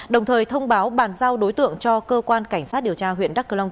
đồng thời thông báo bàn giao đối tượng cho cơ quan cảnh sát điều tra huyện đắc cơ long